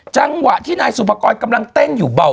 จังหวะที่นายสุภกรกำลังเต้นอยู่เบา